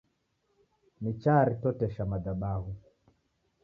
Nicharitotesha madhabahu